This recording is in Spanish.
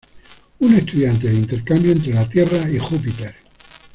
Un estudiante de intercambio entre la Tierra y Júpiter.